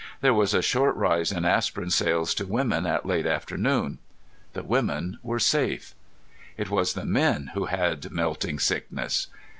There was a short rise in aspirin sales to women at late afternoon. The women were safe. It was the men who had melting sickness!